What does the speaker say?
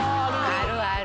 あるある。